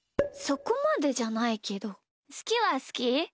そこまでじゃないけどすきはすき。